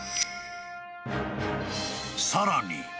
［さらに］